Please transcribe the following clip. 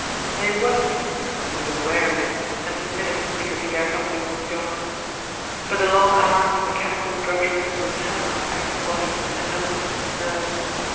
They "worked" him, and he was aware of it, and submitted because he dared not lose his job. But the long hours of mechanical drudgery were telling on his active body and undisciplined nerves.